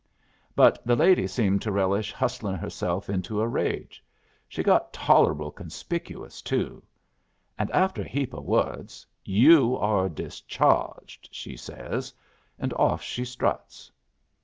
But the lady seemed to relish hustlin' herself into a rage. She got tolerable conspicuous, too. And after a heap o' words, 'You are discharged,' she says; and off she struts.